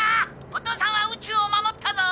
お父さんは宇宙を守ったぞ！